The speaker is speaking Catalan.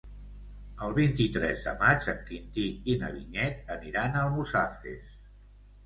El vint-i-tres de maig en Quintí i na Vinyet aniran a Almussafes.